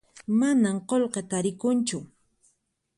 Manan qullqi tarikunchu